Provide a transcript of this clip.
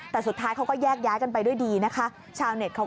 แต่สุดท้ายเขาก็แยกย้ายกันไปด้วยดีนะคะ